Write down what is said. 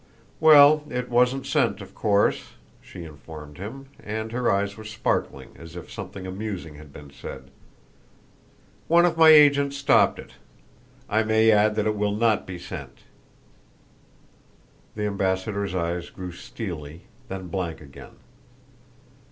"Well, it wasn't sent, of course," she informed him, and her eyes were sparkling as if something amusing had been said. "One of my agents stopped it. I may add that it will not be sent." The ambassador's eyes grew steely, then blank again.